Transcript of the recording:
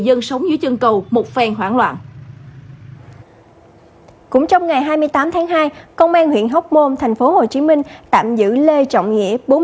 rạng sáng nay hai mươi tám tháng hai công an huyện hóc môn tp hcm tạm giữ lê trọng nghĩa